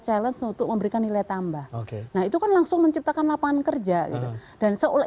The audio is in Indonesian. challenge untuk memberikan nilai tambah oke nah itu kan langsung menciptakan lapangan kerja gitu dan seolah